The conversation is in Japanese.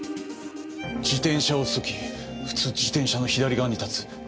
自転車を押す時普通自転車の左側に立つ。